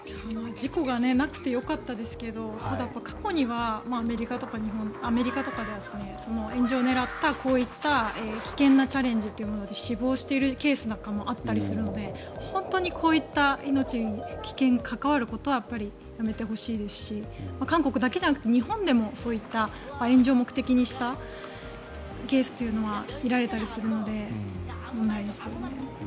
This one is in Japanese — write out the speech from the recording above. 事故がなくてよかったですけどただ、過去にはアメリカとかでは炎上を狙ったこういった危険なチャレンジというので死亡しているケースなんかもあったりするので本当にこういった命、危険に関わることはやっぱりやめてほしいですし韓国だけじゃなくて日本でも、そういった炎上を目的にしたケースというのは見られたりするので危ないですよね。